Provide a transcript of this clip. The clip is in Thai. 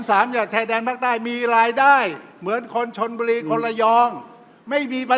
อาจารย์สรุปขบวนคือ